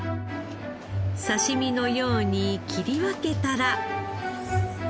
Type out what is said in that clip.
刺し身のように切り分けたら。